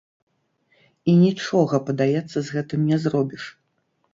І нічога, падаецца, з гэтым не зробіш.